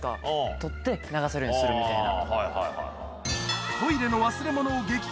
取って流せるようにするみたいな。